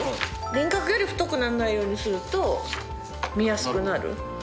輪郭より太くならないようにすると、見やすくなる。